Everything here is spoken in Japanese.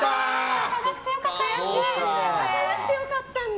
足さなくてよかったんだ。